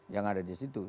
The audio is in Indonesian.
yang ada di situ